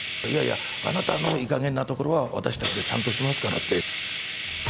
いやいや、あなたのいいかげんなところは、私たちでちゃんとしますからって。